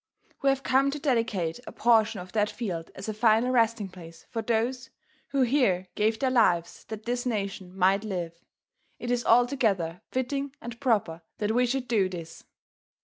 We have come to dedicate a portion of that field as a final resting place for those who here gave their lives that this nation might live. It is altogether fitting and proper that we should do this.